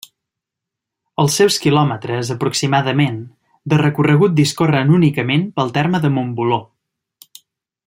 Els seus quilòmetres, aproximadament, de recorregut discorren únicament pel terme de Montboló.